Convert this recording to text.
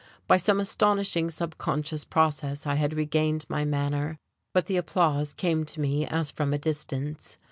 By some astonishing subconscious process I had regained my manner, but the applause came to me as from a distance.